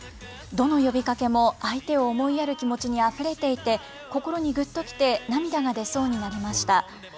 どの呼びかけも相手を思いやる気持ちにあふれていて、心にぐっときて、涙が出そうになりました。